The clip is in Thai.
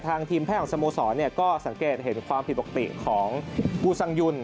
ทางทีมแพร่ของสโมสรเนี่ยก็สังเกตเห็นความผิดกติของกูซังยุน